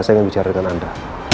saya ingin bicara dengan anda